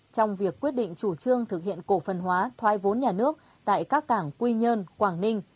trong việc quyết định chủ trương thực hiện cổ phần hóa thoái vốn nhà nước tại các cảng quy nhơn quảng ninh